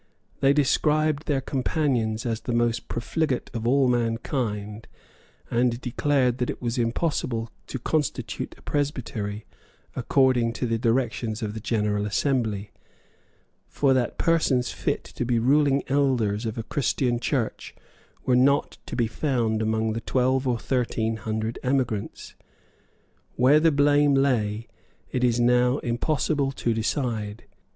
They described their companions as the most profligate of mankind, and declared that it was impossible to constitute a presbytery according to the directions of the General Assembly; for that persons fit to be ruling elders of a Christian Church were not to be found among the twelve or thirteen hundred emigrants. Where the blame lay it is now impossible to decide.